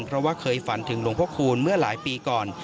เพราะว่าเคยฝันถึงหลวงพระคูณเมื่อหลายปีก่อน